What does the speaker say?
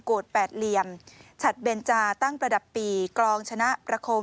แปดเหลี่ยมฉัดเบนจาตั้งประดับปีกรองชนะประโคม